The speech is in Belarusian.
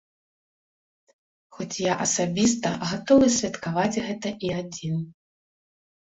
Хоць я асабіста гатовы святкаваць гэта і адзін.